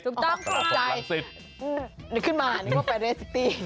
ถูกต้องถูกใจนึกขึ้นมานึกว่าไปเรสซิตี้